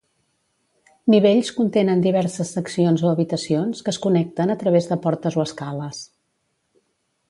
Nivells contenen diverses seccions o habitacions que es connecten a través de portes o escales.